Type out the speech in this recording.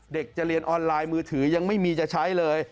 จะเรียนออนไลน์มือถือยังไม่มีจะใช้เลย